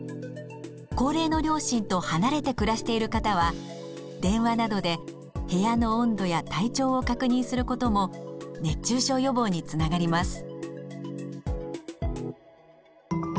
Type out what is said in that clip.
高齢の両親と離れて暮らしている方は電話などで部屋の温度や体調を確認することも熱中症予防につながります。